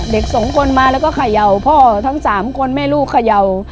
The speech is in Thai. เด็กสองคนมาแล้วก็เขย่าพ่อทั้ง๓คนแม่ลูกเขย่า